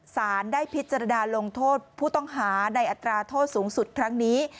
สารได้พิจารณาลงโทษผู้ต้องหาในอัตราโทษสูงสุดครั้งนี้